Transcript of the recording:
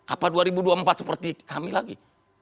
apa dua ribu dua puluh empat seperti kami lagi